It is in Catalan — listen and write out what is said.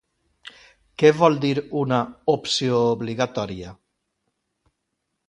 Què vol dir, una "opció obligatòria"?